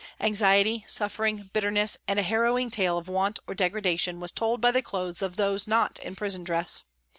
Anxiety, suffering, bitterness, and a harrowing tale of want or degradation was told by the clothes of those not in prison dress.